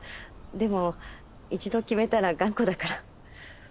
でも一度決めたら頑固だから。